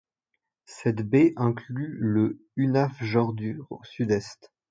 Cette baie inclut le Húnafjörður au sud-est.